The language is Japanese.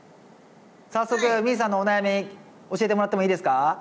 早速みぃさんのお悩み教えてもらってもいいですか？